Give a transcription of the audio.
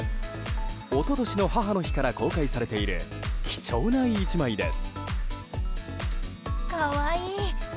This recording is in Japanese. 一昨年の母の日から公開されている貴重な１枚です。